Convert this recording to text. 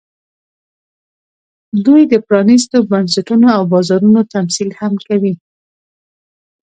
دوی د پرانېستو بنسټونو او بازارونو تمثیل هم کوي